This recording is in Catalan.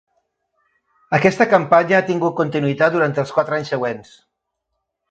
Aquesta campanya ha tingut continuïtat durant els quatre anys següents.